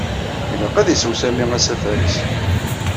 Ilaq ad isew Sami asafar-is.